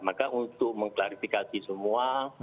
maka untuk mengklarifikasi semua